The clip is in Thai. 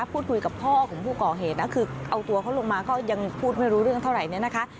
พูดคุยกับพ่อของผู้ก่อเหตุนะคือเอาตัวเขาลงมาก็ยังพูดไม่รู้เรื่องเท่าไหร่เนี่ยนะคะ